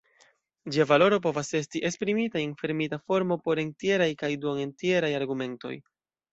Ĝia valoro povas esti esprimitaj en fermita formo por entjeraj kaj duono-entjeraj argumentoj.